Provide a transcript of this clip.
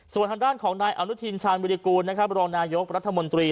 ส่วนทางด้านของนายอนุทินชาญวิรากูลนะครับรองนายกรัฐมนตรี